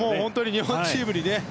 日本チームにね。